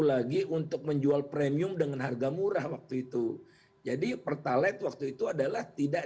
lagi untuk menjual premium dengan harga murah waktu itu jadi pertalite waktu itu adalah tidak